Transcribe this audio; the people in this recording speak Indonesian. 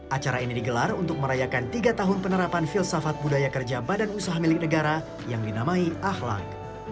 acara ini digelar untuk merayakan tiga tahun penerapan filsafat budaya kerja badan usaha milik negara yang dinamai ahlak